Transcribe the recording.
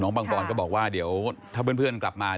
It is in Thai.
บางปอนก็บอกว่าเดี๋ยวถ้าเพื่อนกลับมา